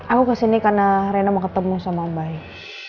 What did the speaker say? aku kesini karena reina mau ketemu sama mbak